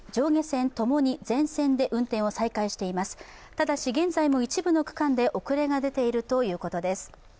ただし現在も一部の区間で遅れが出ているということです。